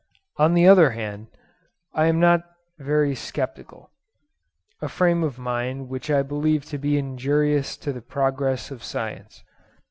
On the other hand, I am not very sceptical,—a frame of mind which I believe to be injurious to the progress of science.